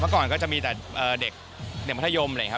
เมื่อก่อนก็จะมีแต่เด็กมัธยมเลยครับ